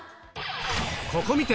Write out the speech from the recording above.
ここ観て！